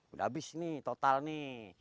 udah habis nih total nih